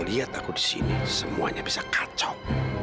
kau lihat aku disini semuanya bisa kacau